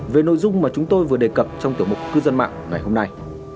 về nội dung mà chúng tôi vừa đề cập trong tiểu mục cư dân mạng ngày hôm nay